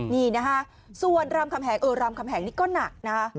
นี่นะฮะส่วนรามคำแหงเออรามคำแหงนี่ก็หนักนะ